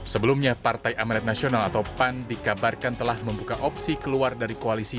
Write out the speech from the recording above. sebelumnya partai amanat nasional atau pan dikabarkan telah membuka opsi keluar dari koalisi